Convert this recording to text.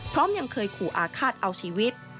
ยังเคยขู่อาฆาตเอาชีวิต